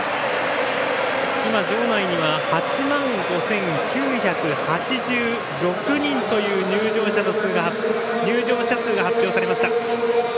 場内には８万５９８６人という入場者数が発表されました。